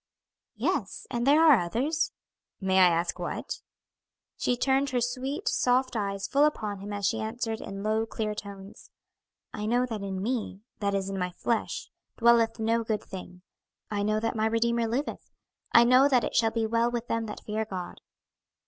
"Yes, and there are others." "May I ask what?" She turned her sweet, soft eyes full upon him as she answered in low, clear tones, "'I know that in me (that is, in my flesh) dwelleth no good thing.' 'I know that my Redeemer liveth.' 'I know that it shall be well with them that fear God.'"